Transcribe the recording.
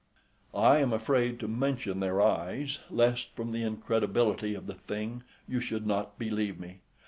I am afraid to mention their eyes, lest, from the incredibility of the thing, you should not believe me.